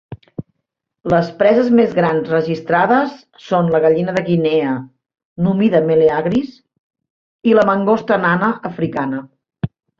Les preses més grans registrades són la gallina de Guinea "Numida meleagris" i la mangosta nana africana.